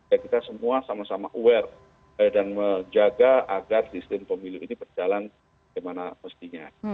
ya kita semua sama sama aware dan menjaga agar sistem pemilu ini berjalan bagaimana mestinya